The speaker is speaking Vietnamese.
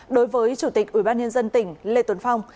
đối với chủ tịch ủy ban nhân dân tỉnh lê tuấn phong